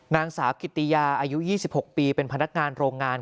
นางสาวกิติยาอายุ๒๖ปีเป็นพนักงานโรงงาน